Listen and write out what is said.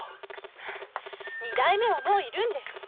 二代目はもう居るんです。